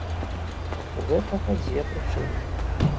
У гэтага дзве прычыны.